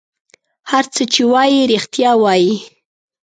هر څه چې وایي رېښتیا وایي.